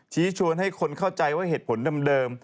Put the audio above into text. ชวนให้คนเข้าใจว่าเหตุผลเดิม